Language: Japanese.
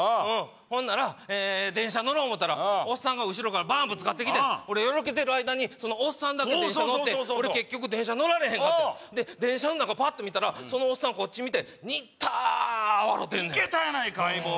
ほんなら電車乗ろう思ったらおっさんが後ろからバーンぶつかってきて俺よろけてる間におっさんだけ電車乗って俺結局電車乗られへんかってんで電車の中パッと見たらそのおっさんこっち見てニターッ笑うてんねんいけたやないか相棒